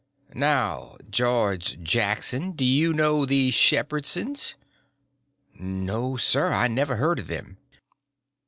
"Now, George Jackson, do you know the Shepherdsons?" "No, sir; I never heard of them."